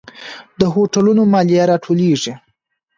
د هوټلونو مالیه راټولیږي؟